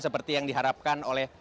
seperti yang diharapkan oleh